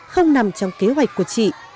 không nằm trong kế hoạch của chị